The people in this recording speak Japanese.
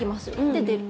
で、出る。